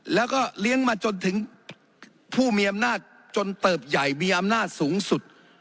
แล้วก็เลี้ยงมาจนถึงผู้มีอำนาจจนเติบใหญ่มีอำนาจสูงสุด